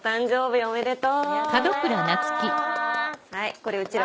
おめでとう。